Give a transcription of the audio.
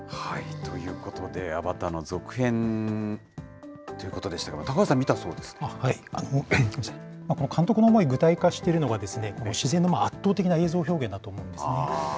ということで、アバターの続編ということでしたけれども、高橋さん、この監督の思い、具体化しているのは、自然の圧倒的な映像表現だと思うんですね。